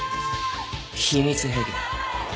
秘密兵器だよ。